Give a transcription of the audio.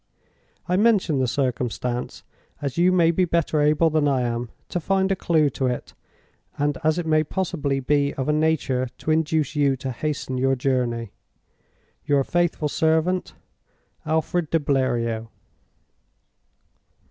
"I mention the circumstance, as you may be better able than I am to find a clue to it, and as it may possibly be of a nature to induce you to hasten your journey. "Your faithful servant, "ALFRED DE BLERIOT."